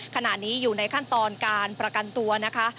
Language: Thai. ขณะนี้อยู่ในขั้นตอนการประกันตัวนะคะ